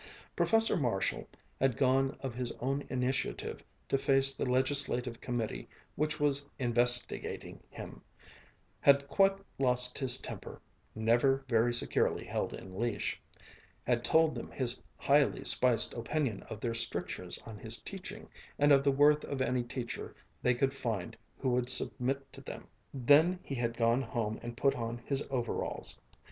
Professor Marshall had gone of his own initiative to face the legislative committee which was "investigating" him, had quite lost his temper (never very securely held in leash), had told them his highly spiced opinion of their strictures on his teaching and of the worth of any teacher they could find who would submit to them. Then he had gone home and put on his overalls.